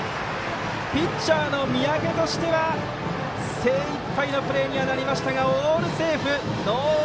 ピッチャーの三宅としては精いっぱいのプレーになりましたがオールセーフ。